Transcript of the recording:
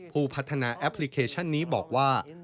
ผู้พัฒนาแอปพลิเคชันนี้บอกว่า